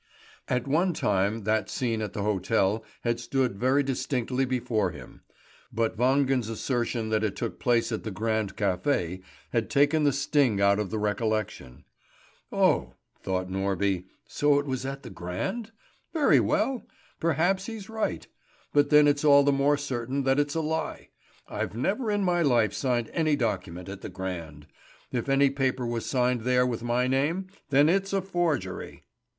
At one time that scene at the hotel had stood very distinctly before him; but Wangen's assertion that it took place in the Grand Café had taken the sting out of the recollection. "Oh," thought Norby. "So it was at the Grand? Very well! Perhaps he's right. But then it's all the more certain that it's a lie. I've never in my life signed any document at the Grand. If any paper was signed there with my name, then it's a forgery!"